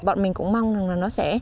bọn mình cũng mong rằng nó sẽ